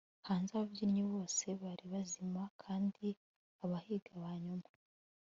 hanze, ababyinnyi bose bari bazima kandi abahiga - ba nyuma